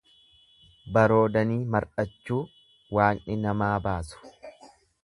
Baroodanii mardhachuu Waaqni nama haabaasu.